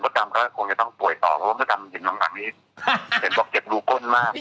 จำก็คงจะต้องป่วยต่อเพราะว่ามดดำหญิงหลังนี้เห็นบอกเจ็บรูก้นมาก